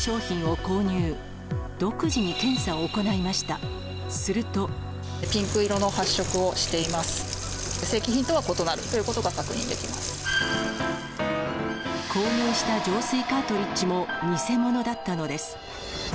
購入した浄水カートリッジも偽物だったのです。